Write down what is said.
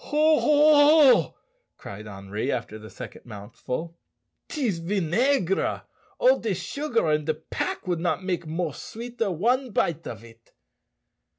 "Ho o o o o!" cried Henri, after the second mouthful. "Tis vinégre. All de sugare in de pack would not make more sweeter one bite of it."